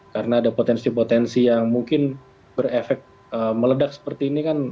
karena ada potensi potensi yang mungkin berefek meledak seperti ini kan